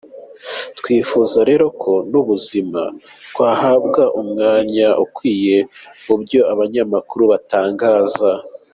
Twifuza rero ko n’ubuzima bwahabwa umwanya ukwiye mu byo abanyamakuru batangaza.